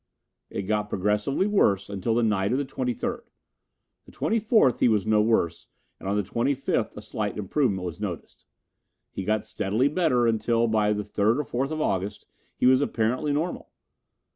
"It got progressively worse until the night of the twenty third. The twenty fourth he was no worse, and on the twenty fifth a slight improvement was noticed. He got steadily better until, by the third or fourth of August, he was apparently normal.